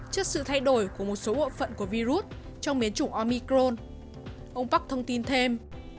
trước sự thay đổi của một số bộ phận của virus trong biến chủng omicron ông park thông tin thêm